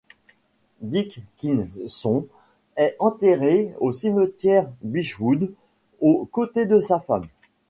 Dickinson est enterré au cimetière Beechwood aux côtés de sa femme.